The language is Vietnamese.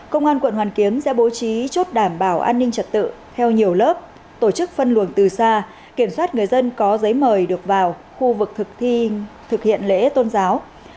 công an quận hoàn kiếm sẽ bố trí chốt đảm bảo an ninh trật tự theo nhiều lớp tổ chức phân luồng từ xa kiểm soát người dân có giấy mời được vào khu vực thực thi thực hiện lễ tôn giáo